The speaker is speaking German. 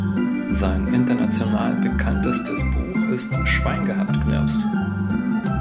Sein international bekanntestes Buch ist "Schwein gehabt, Knirps!